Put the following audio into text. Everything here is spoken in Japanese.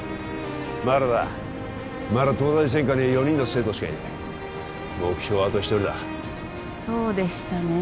まだだまだ東大専科には４人の生徒しかいない目標はあと１人だそうでしたね